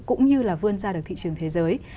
cũng như là vươn ra được thị trường thế giới